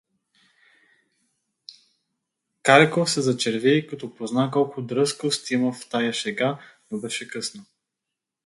Кàреков се зачерви, като позна колко дръзкост имаше в тая шега, но беше късно.